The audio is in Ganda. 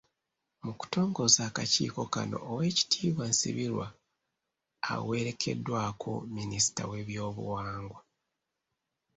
Mu kutongoza akakiiko kano, Owek.Nsibirwa awerekeddwako Minisita w’ebyobuwangwa.